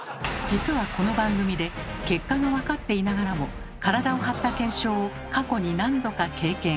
実はこの番組で結果が分かっていながらも体を張った検証を過去に何度か経験。